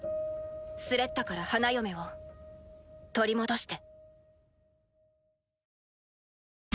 スレッタから花嫁を取り戻して。